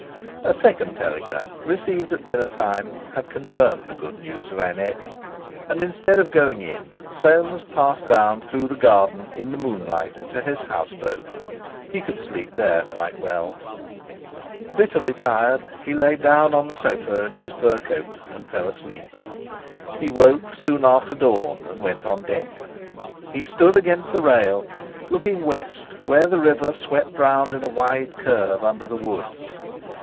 A second telegram, received at dinner time, had confirmed the good news of Annette, and, instead of going in, Soames passed down through the garden in the moonlight to his houseboat. He could sleep there quite well. Bitterly tired, he lay down on the sofa in his fur coat and fell asleep. He woke soon after dawn and went on deck. He stood against the rail, looking west where the river swept round in a wide curve under the woods.